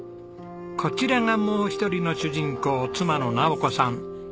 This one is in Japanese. こちらがもう一人の主人公妻の尚子さん４２歳です。